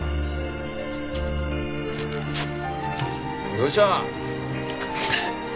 どうした？